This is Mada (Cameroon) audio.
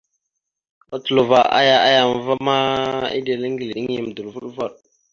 Otlovo aya a yam va ma, eɗel eŋgleɗeŋ yam dorvoɗvoɗ.